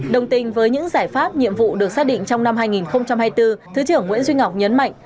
đồng tình với những giải pháp nhiệm vụ được xác định trong năm hai nghìn hai mươi bốn thứ trưởng nguyễn duy ngọc nhấn mạnh